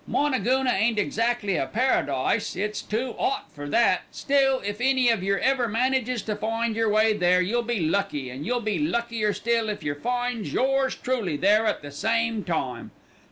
Moonagoona ain't exactly a paradise, it's too 'ot for that; still, if any of yer ever manages to find yer way there you'll be lucky, and you'll be luckier still if yer finds yours truly there at the same time.